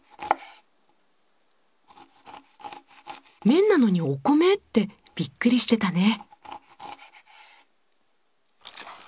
「麺なのにお米？」ってびっくりしてたね。